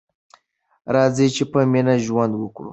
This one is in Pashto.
راځئ چې په مینه ژوند وکړو.